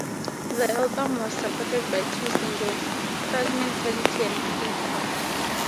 The album was supported by two singles: "Thug Mentality" and "Paper".